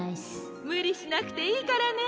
むりしなくていいからね。